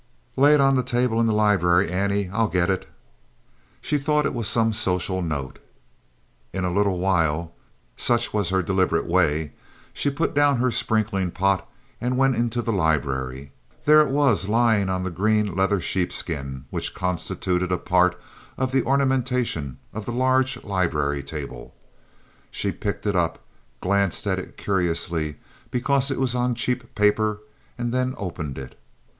"Lay it on the table in the library, Annie. I'll get it." She thought it was some social note. In a little while (such was her deliberate way), she put down her sprinkling pot and went into the library. There it was lying on the green leather sheepskin which constituted a part of the ornamentation of the large library table. She picked it up, glanced at it curiously because it was on cheap paper, and then opened it.